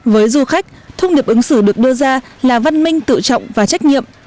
với du khách thông điệp ứng xử được đưa ra là văn minh tự trọng và trách nhiệm